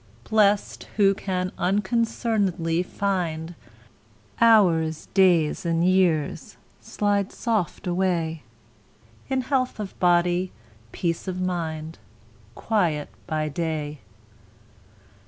Blest, who can unconcern'dly find Hours, days, and years, slide soft away In health of body, peace of mind, Quiet by day.